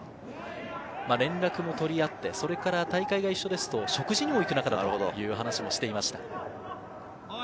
連絡も取り合って、それから大会が一緒ですと食事にも行く仲だという話もしていました。